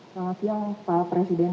selamat siang pak presiden